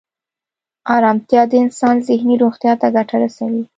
ارامتیا د انسان ذهني روغتیا ته ګټه رسوي.